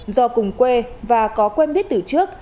do cùng quê và có quen biết từ trước